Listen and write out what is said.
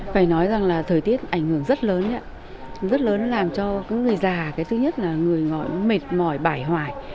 phải nói rằng là thời tiết ảnh hưởng rất lớn rất lớn làm cho người già thứ nhất là người mệt mỏi bãi hoài